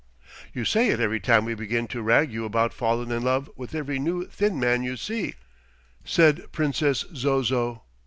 "You say it every time we begin to rag you about fallin' in love with every new thin man you see," said Princess Zozo.